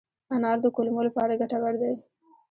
انار د کولمو لپاره ګټور دی.